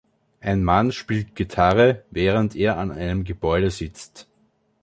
Ein Mann spielt Gitarre, während er an einem Gebäude sitzt.